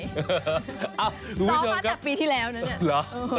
ต้องมาจากปีที่แล้วนะเนี่ย